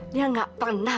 dia tidak pernah